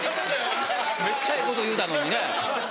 めっちゃええこと言うたのにね。